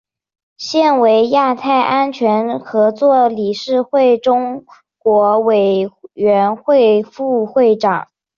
现为亚太安全合作理事会中国委员会副会长。